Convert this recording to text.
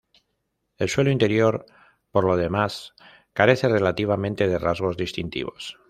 El suelo interior por lo demás carece relativamente de rasgos distintivos.